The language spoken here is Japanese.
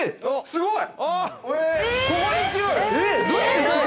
◆すごい。